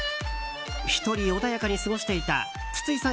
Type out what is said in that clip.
１人穏やかに過ごしていた筒井さん